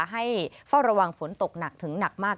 ให้เฝ้าระวังฝนตกหนักถึงหนักมาก